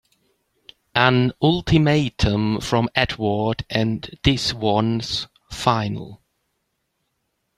An ultimatum from Edward and this one's final!